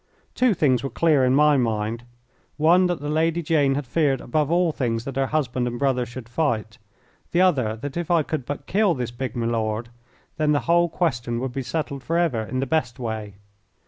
Two things were clear in my mind one that the Lady Jane had feared above all things that her husband and brother should fight, the other that if I could but kill this big milord, then the whole question would be settled forever in the best way.